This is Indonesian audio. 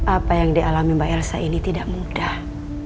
apa yang dialami mbak elsa ini tidak mudah